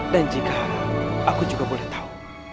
dan jika aku juga boleh tahu